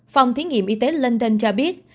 phòng thí nghiệm y tế london cho biết